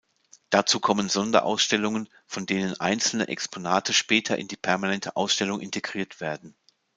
Dazu kommen Sonderausstellungen, von denen einzelne Exponate später in die permanente Ausstellung integriert werden.